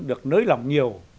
được nới lỏng nhiều